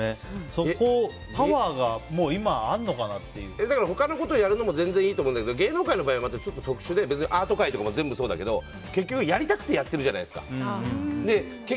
そのパワーが今他のことをやるのも全然いいと思うけど芸能界の場合はちょっと特殊でアート界とかもそうだけど結局やりたくてやってるじゃないですか。